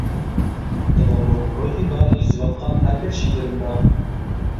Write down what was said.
دادامنىڭ روھى بار يېزىۋاتقان ھەر بىر شېئىرىمدا.